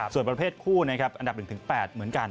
ส่วนประเภทคู่นะครับอันดับ๑๘เหมือนกัน